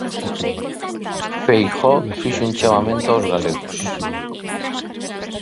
Feijóo fixo un chamamento aos galegos.